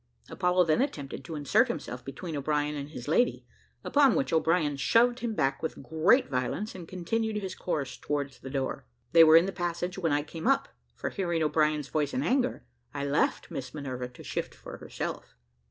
Apollo then attempted to insert himself between O'Brien and his lady, upon which O'Brien shoved him back with great violence, and continued his course towards the door. They were in the passage when I came up, for hearing O'Brien's voice in anger, I left Miss Minerva to shift for herself.